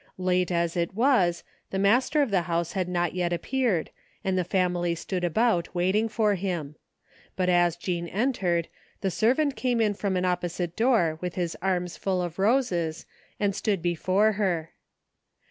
Late as it was, the master of the house had not yet appeared and the family stood about waiting for him. But as Jean entered the servant came in from an oppo site door with his arms full of roses, and stood before her.